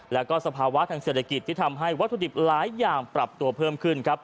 แล้วก็สภาวะทางเศรษฐกิจที่ทำให้วัตถุดิบหลายอย่างปรับตัวเพิ่มขึ้นครับ